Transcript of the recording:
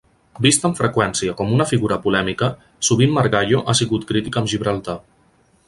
Vist amb freqüència com una figura polèmica, sovint Margallo ha sigut crític amb Gibraltar.